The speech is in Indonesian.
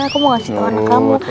aku mau kasih tau anak kamu